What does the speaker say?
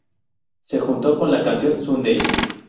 Se juntó con la canción "Sunday".